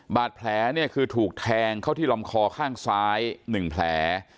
บาดแผลเนี่ยคือถูกแทงเข้าที่ลำคอข้างซ้าย๑แผล